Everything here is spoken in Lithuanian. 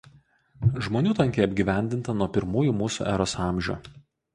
Žmonių tankiai apgyvendinta nuo pirmųjų mūsų eros amžių.